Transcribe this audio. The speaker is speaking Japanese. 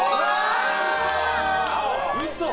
おいしそう！